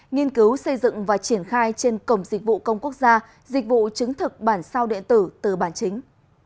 nghiên cứu xây dựng và triển khai trên cổng dịch vụ công quốc gia dịch vụ chứng thực bản sao điện tử từ bản chính